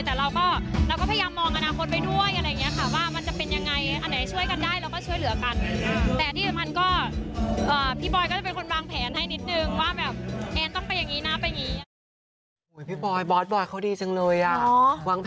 แต่เราก็พยายามมองอนาคตไปด้วยอะไรอย่างนี้ค่ะว่ามันจะเป็นยังไง